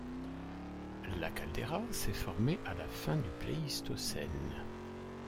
La caldeira s'est formée à la fin du Pléistocène.